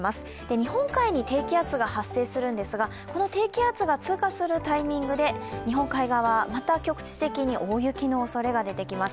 日本海に低気圧が発生するんですがこの低気圧が通過するタイミングで日本海側はまた局地的に大雪のおそれが出てきます。